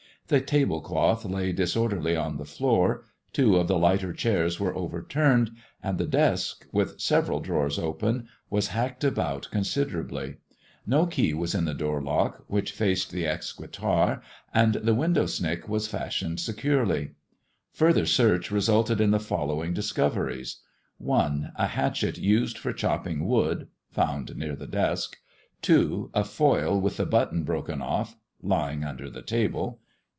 The tablecloth lay disorderly on the floor, two of the lighter chairs were overturned, and the desk, with several drawers open, was hacked about considerably. ^^ key was in the door lock which faced the escritoire, and the window snick was fastened securely. Further search resulted in the following discoveries :— 1. A hatchet used for chopping wood (found near the desk). 2. A foil with the button broken off (lying under the table).